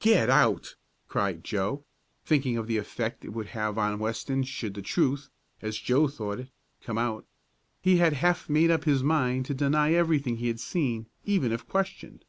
"Get out!" cried Joe, thinking of the effect it would have on Weston should the truth as Joe thought it come out. He had half made up his mind to deny everything he had seen, even if questioned.